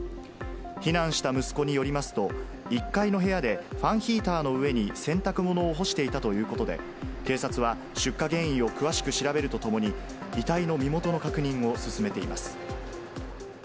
避難した息子によりますと、１階の部屋でファンヒーターの上に洗濯物を干していたということで、警察は出火原因を詳しく調べるとともに、遺体の身元の確認を進めています。